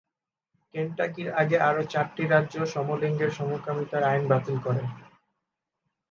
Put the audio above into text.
কেনটাকির আগে আরও চারটি রাজ্য সমলিঙ্গের সমকামিতার আইন বাতিল করে।